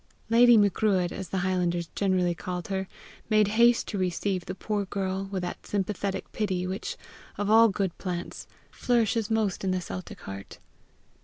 Lady Macruadh, as the highlanders generally called her, made haste to receive the poor girl with that sympathetic pity which, of all good plants, flourishes most in the Celtic heart.